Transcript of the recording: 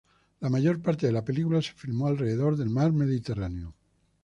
La mayor parte de la película se filmó alrededor del mar Mediterráneo.